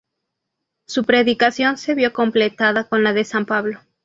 Su predicación se vio completada con la de San Pablo.